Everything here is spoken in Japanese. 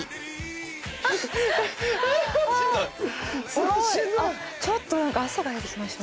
すごい！あっちょっとなんか汗が出てきました。